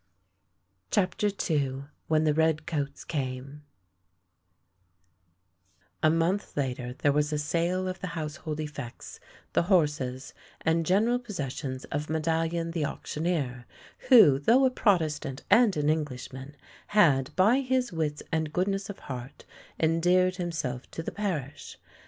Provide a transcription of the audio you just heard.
CHAPTER II WHEN THE RED COATS CAME A MONTH later there was a sale of the household effects, the horses, and general possessions of Medallion the auctioneer, who, though a Protestant and an Englishman, had, by his wits and goodness of heart, endeared himself to the parish.